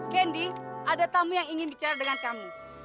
candy ada tamu yang ingin bicara dengan kamu